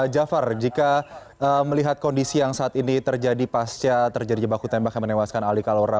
jafar jika melihat kondisi yang saat ini terjadi pasca terjadi baku tembak yang menewaskan ali kalora